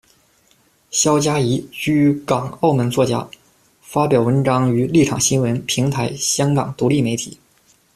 萧家怡，居港澳门作家，发表文章于《立场新闻》、《评台》、《香港独立媒体》。